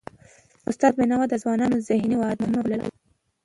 استاد بينوا د ځوانانو ذهني وده مهمه بلله.